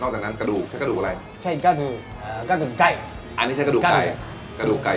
นอกจากนั้นกระดูกใช้กระดูกอะไรใช้กระดูกเอ่อกระดูกไก่